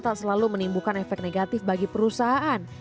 tak selalu menimbulkan efek negatif bagi perusahaan